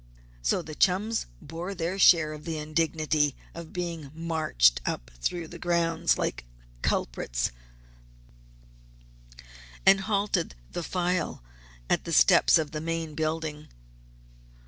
So the chums bore their share of the indignity of being marched up through the grounds like culprits, and halted the file at the steps of the main building.